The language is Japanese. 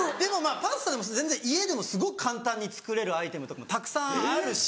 パスタでも全然家でもすごく簡単に作れるアイテムとかもたくさんあるし。